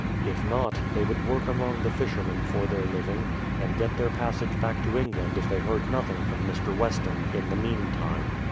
If not, they would work among the fishermen for their living, and get their passage back to England if they heard nothing from Mr. Weston in the meantime.